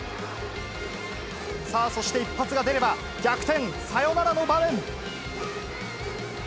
さあ、そして一発が出れば、逆転サヨナラの場面。